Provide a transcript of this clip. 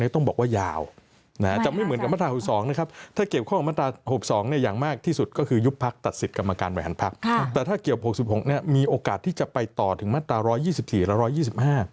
แต่ถ้าเกี่ยว๖๖มีโอกาสที่จะไปต่อถึงมาตรา๑๒๔และ๑๒๕